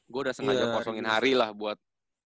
gua udah sengaja kosongin hari lah buat